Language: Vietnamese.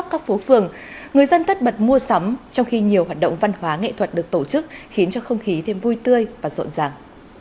các phố phường người dân tất bật mua sắm trong khi nhiều hoạt động văn hóa nghệ thuật được tổ chức khiến cho không khí thêm vui tươi và rộn ràng